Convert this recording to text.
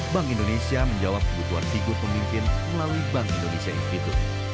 bank indonesia menjawab kebutuhan figur pemimpin melalui bank indonesia institute